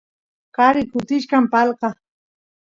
qari kutichkan palqa